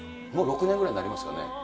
もう６年ぐらいになりますかね。